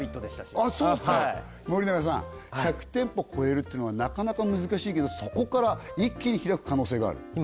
でしたし森永さん１００店舗超えるっていうのはなかなか難しいけどそこから一気に開く可能性がある？